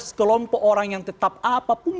sekelompok orang yang tetap apapun